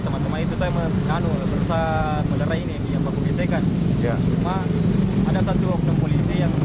teman teman itu saya menganur berusaha menerai ini ya pak biasakan ya cuma ada satu polisi yang